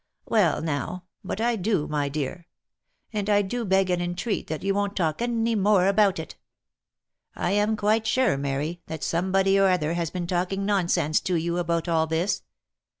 " Well now, but I do, my dear. And I do beg and entreat that you won't talk any more about it. I am quite sure, Mary, that some body or other has been talking nonsense to you, about all this.